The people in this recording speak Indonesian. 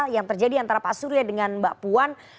yang terjadi antara pak surya dengan mbak puan